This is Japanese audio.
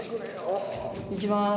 いきます！